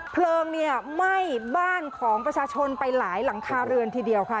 เพลิงเนี่ยไหม้บ้านของประชาชนไปหลายหลังคาเรือนทีเดียวค่ะ